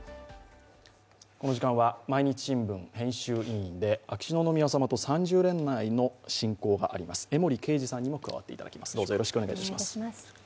この時間は毎日新聞編集委員で秋篠宮さまと３０年来の親交があります江森敬治さんにも加わっていただきます。